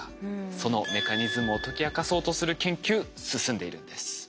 そのメカニズムを解き明かそうとする研究進んでいるんです。